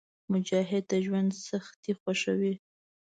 مجاهد د ژوند سختۍ خوښوي.